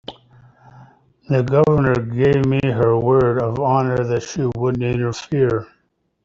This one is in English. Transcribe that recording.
The Governor gave me her word of honor she wouldn't interfere.